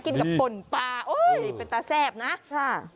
กินกับป่นปลาโอ้ยเป็นตาแซ่บนะค่ะ